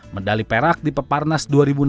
medali perak di peparnas dua ribu enam belas